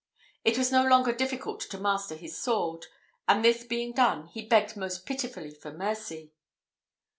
It was no longer difficult to master his sword, and this being done, he begged most pitifully for mercy.